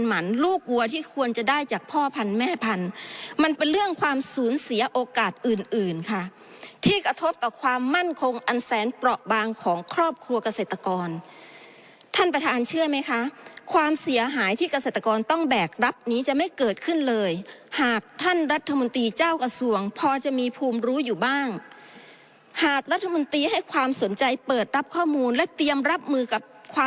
มันเป็นเรื่องความสูญเสียโอกาสอื่นอื่นค่ะที่กระทบต่อความมั่นคงอันแสนเปราะบางของครอบครัวเกษตรกรท่านประธานเชื่อไหมคะความเสียหายที่เกษตรกรต้องแบกรับนี้จะไม่เกิดขึ้นเลยหากท่านรัฐมนตรีเจ้ากระทรวงพอจะมีภูมิรู้อยู่บ้างหากรัฐมนตรีให้ความสนใจเปิดรับข้อมูลและเตรียมรับมือกับความ